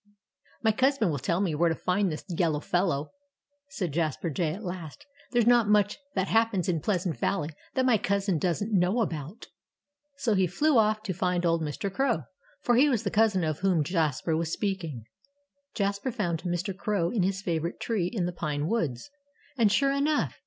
"My cousin will tell me where to find this yellow fellow," said Jasper Jay at last. "There's not much that happens in Pleasant Valley that my cousin doesn't know about." So he flew off to find old Mr. Crow for he was the cousin of whom Jasper was speaking. Jasper found Mr. Crow in his favorite tree in the pine woods. And sure enough!